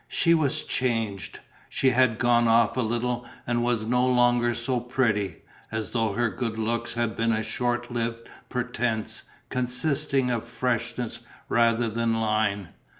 She was changed. She had "gone off" a little and was no longer so pretty, as though her good looks had been a short lived pretence, consisting of freshness rather than line.